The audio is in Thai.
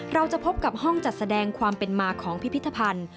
เราจะพบกับห้องจัดแสดงความเป็นมาของพิพิธภัณฑ์